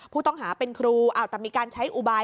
ผู้ต้องหาเป็นครูแต่มีการใช้อุบาย